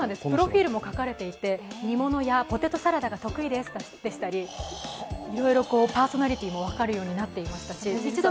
プロフィールも書かれていて煮物やポテトサラダが得意ですなどいろいろパーソナリティーも分かるようになっていました。